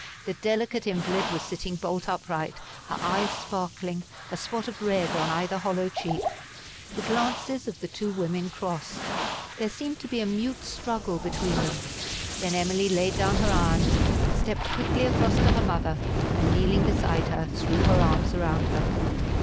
The delicate invalid was sitting bolt upright, her eyes sparkling, a spot of red on either hollow cheek. The glances of the two women crossed; there seemed to be a mute struggle between them. Then Emily laid down her iron, stepped quickly across to her mother, and kneeling beside her, threw her arms around her.